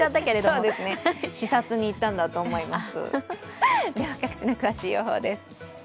視察に行ったんだと思います。